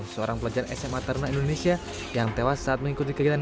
seorang pelajar sma taruna indonesia yang tewas saat mengikuti kegiatan